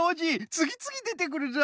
つぎつぎでてくるぞ！